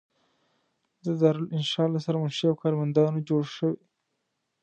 دارالانشأ له سرمنشي او کارمندانو جوړه شوې.